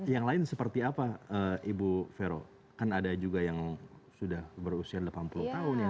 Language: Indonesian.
yang lain seperti apa ibu vero kan ada juga yang sudah berusia delapan puluh tahun ya